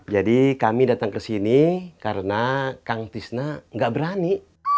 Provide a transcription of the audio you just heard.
jadi kami datang kesini karena kang tisna nggak berani